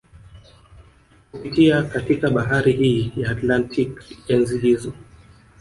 Kupitia katika bahari hii ya Atlantik enzi hizo